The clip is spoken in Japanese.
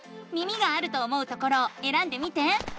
耳があると思うところをえらんでみて。